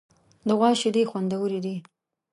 د غوا شیدې خوندورې دي.